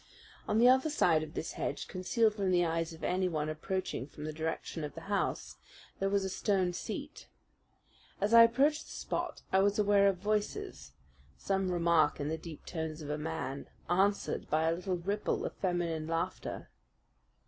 On the other side of this hedge, concealed from the eyes of anyone approaching from the direction of the house, there was a stone seat. As I approached the spot I was aware of voices, some remark in the deep tones of a man, answered by a little ripple of feminine laughter.